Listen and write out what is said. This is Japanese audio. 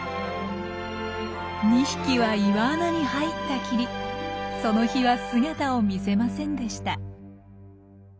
２匹は岩穴に入ったきりその日は姿を見せませんでした。